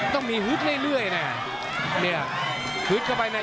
ต้องมีหุดเรื่อยเรื่อยน่ะเนี้ยหุดเข้าไปน่ะ